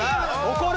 怒る。